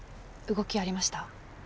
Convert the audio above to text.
動きありました？